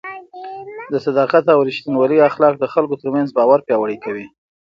د صداقت او رښتینولۍ اخلاق د خلکو ترمنځ باور پیاوړی کوي.